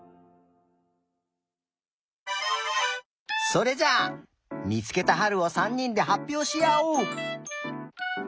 それじゃあみつけたはるを３にんではっぴょうしあおう。